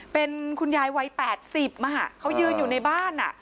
เป็นคุณยายวัย๘๐เขายืนอยู่ในบ้าน